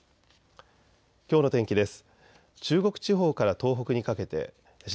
きょうの天気です。